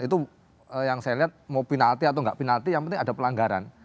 itu yang saya liat mau penalty atau gak penalty yang penting ada pelanggaran